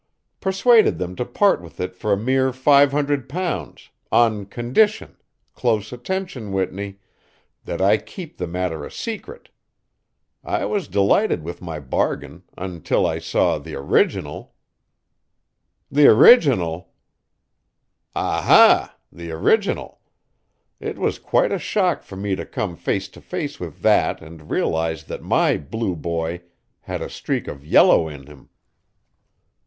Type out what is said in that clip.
Persuaded them to part with it for a mere five hundred pounds, on condition close attention, Whitney that I keep the matter a secret. I was delighted with my bargain until I saw the original." "The original?" "Ah ha! the original. It was quite a shock for me to come face to face with that and realize that my 'Blue Boy' had a streak of yellow in him."